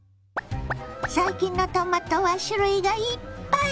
最近のトマトは種類がいっぱい！